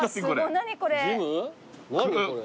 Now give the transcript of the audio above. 何これ。